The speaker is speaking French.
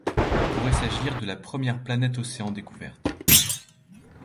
Il pourrait s'agir de la première planète-océan découverte.